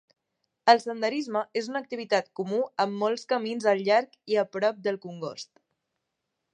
El senderisme és una activitat comú amb molts camins al llarg i a prop del congost.